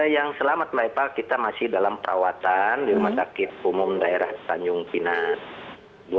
yang selamat mbak eva kita masih dalam perawatan di rumah sakit umum daerah tanjung pinang